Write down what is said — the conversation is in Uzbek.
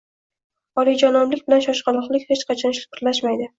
Oliyjanoblik bilan shoshqaloqlik hech qachon birlashmaydi.